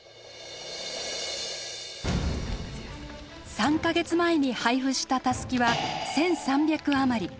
３か月前に配布したタスキは１，３００余り。